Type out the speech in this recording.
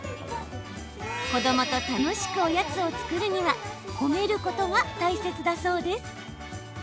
子どもと楽しくおやつを作るには褒めることが大切だそうです。